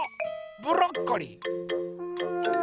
ブロッコリー！ん？